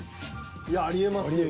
いやあり得ますよ。